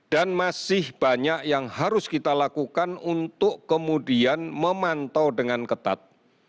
dan masih banyak yang harus kita lakukan untuk kemudian memantau dengan ketat